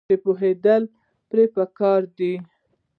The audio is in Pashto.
چې پوهیدل پرې پکار دي.